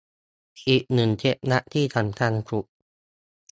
อีกหนึ่งเคล็ดลับที่สำคัญสุด